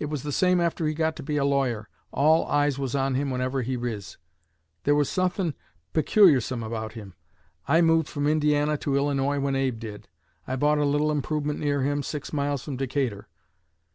It was the same after he got to be a lawyer. All eyes was on him whenever he riz. There was suthin' peculiarsome about him. I moved from Indiana to Illinois when Abe did. I bought a little improvement near him, six miles from Decatur.